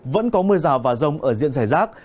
vẫn có mưa rào và rông ở diện rải rác